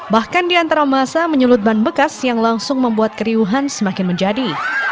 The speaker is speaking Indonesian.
bahkan di antara masa menyulut ban bekas yang langsung membuat keriuhan semakin menjadi